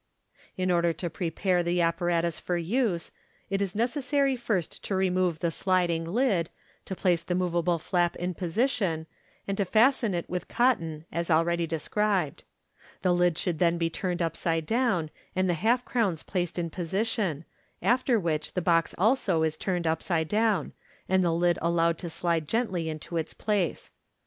In order to prepare the apparatus for use, it is necessary first to remove the sliding lid, to place the moveable flap in position, and to fasten it with cotton as already described. The lid should then be turned upside down, and the half crowns placed in position, after which the box also is turned upside down, and the lid allowed to slide gently into its place.